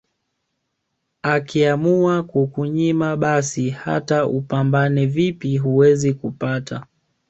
Akiamua kukunyima basi hata upambane vipi huwezi kupata